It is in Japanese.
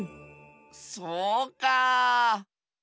そうかあ！